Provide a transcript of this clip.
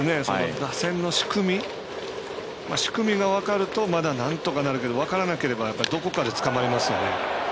打線の仕組みが分かるとまだ、なんとかなるけど分からなければどこかでつかまりますよね。